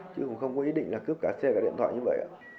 chứ cũng không có ý định là cướp cả xe và điện thoại như vậy ạ